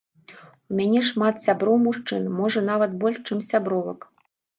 У мяне шмат сяброў-мужчын, можа, нават больш, чым сябровак.